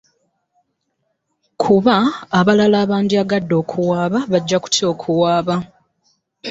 Kuba abalala abandyagadde okuwaaba bajja kutya okuwaaba.